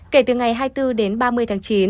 kể từ ngày hai mươi bốn đến ba mươi tháng chín